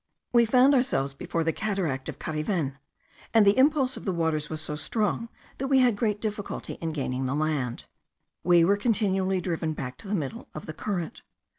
We found ourselves before the cataract of Cariven, and the impulse of the waters was so strong, that we had great difficulty in gaining the land. We were continually driven back to the middle of the current.